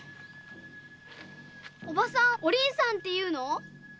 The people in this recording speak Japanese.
おばさんお凛さんっていうの？